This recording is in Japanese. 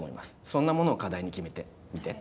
そんなものを課題に決めてみて。